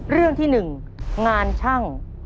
เรื่องที่๑งานช่าง